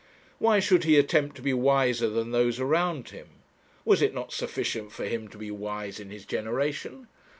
Why should he attempt to be wiser than those around him? Was it not sufficient for him to be wise in his generation?